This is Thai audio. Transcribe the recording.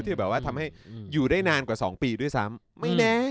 ที่แบบว่าทำให้อยู่ได้นานกว่า๒ปีด้วยซ้ำไม่แน่